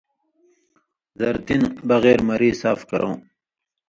زرتی (ضرورت) نہ بغیر مری صاف کرؤں،